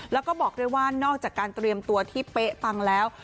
แล้วก็บอกด้วยว่านอกจากการเตรียมตัวที่เป๊ะปังแล้ว